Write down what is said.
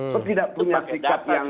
itu tidak punya sikap yang